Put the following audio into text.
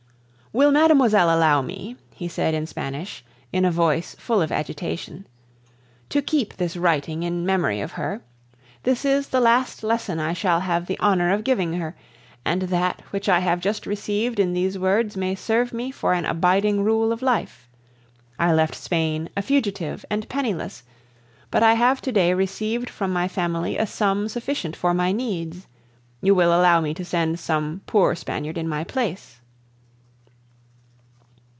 "Will mademoiselle allow me," he said in Spanish, in a voice full of agitation, "to keep this writing in memory of her? This is the last lesson I shall have the honor of giving her, and that which I have just received in these words may serve me for an abiding rule of life. I left Spain, a fugitive and penniless, but I have to day received from my family a sum sufficient for my needs. You will allow me to send some poor Spaniard in my place."